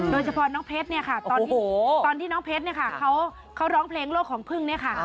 โดยเฉพาะน้องเพชรตอนที่เขาร้องเพลงเลือกของพึง